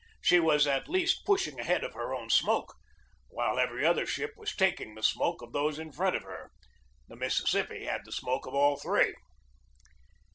She was at least pushing ahead of her own smoke, while every other ship was taking the smoke of those in front of her. The Mississippi had the smoke of all three.